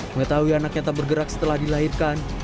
mengetahui anaknya tak bergerak setelah dilahirkan